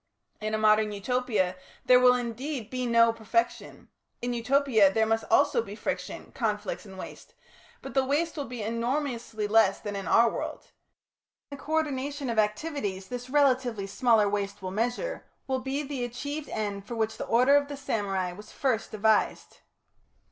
In a modern Utopia there will, indeed, be no perfection; in Utopia there must also be friction, conflicts and waste, but the waste will be enormously less than in our world. And the co ordination of activities this relatively smaller waste will measure, will be the achieved end for which the order of the samurai was first devised.